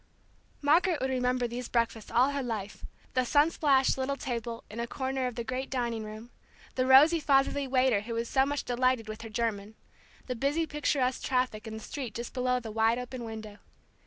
Margaret would remember these breakfasts all her life; the sun splashed little table in a corner of the great dining room, the rosy fatherly waiter who was so much delighted with her German, the busy picturesque traffic in the street just below the wide open window.